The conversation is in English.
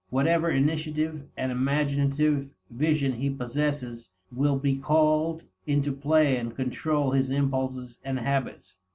Whatever initiative and imaginative vision he possesses will be called into play and control his impulses and habits.